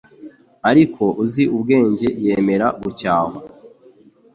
ariko uzi ubwenge yemera gucyahwa